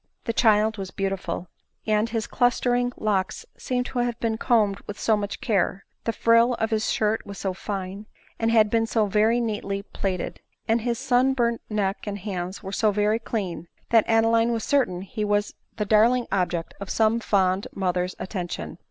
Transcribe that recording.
The child was beautiful; and his clustering locks seemed to have been combed with so much care ; the frill of his shirt was so fine, and had been so very neatly plaited ; and his sun burnt neck and hands were so very very clean, that Adeline was certain he was the darling object of some fond mother's attention.